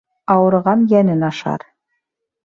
Ауырыған йәнен ашар.